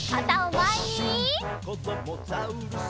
「こどもザウルス